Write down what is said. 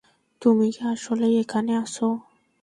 তুমি কি আসলেই এখানে আছ?